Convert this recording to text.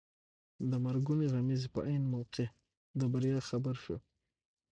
د مرګونې غمیزې په عین موقع د بریا خبر شو.